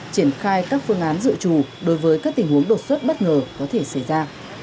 triển khai các phương án dự trù đối với các tình huống đột xuất bất ngờ có thể xảy ra